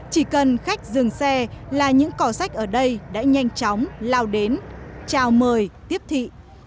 chỉ cần khách dừng xe là những cò sách ở đây đã nhanh chóng lao đến chào mời tiếp thị